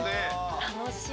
楽しい。